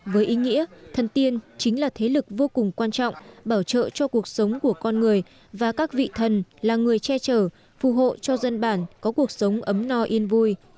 với ý nghĩa thân tiên chính là thế lực vô cùng quan trọng bảo trợ cho cuộc sống của con người và các vị thần là người che trở phù hộ cho dân bản có cuộc sống ấm no yên vui